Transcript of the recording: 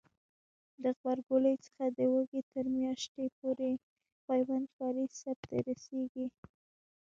د غبرګولي څخه د وږي تر میاشتې پورې پیوند کاری سرته رسیږي.